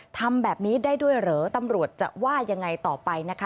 ทำแบบนี้ได้ด้วยเหรอตำรวจจะว่ายังไงต่อไปนะคะ